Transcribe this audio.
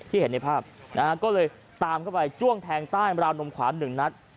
เห็นในภาพนะฮะก็เลยตามเข้าไปจ้วงแทงใต้ราวนมขวาหนึ่งนัด